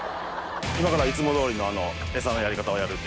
今からいつも通りの餌のやり方をやるんで。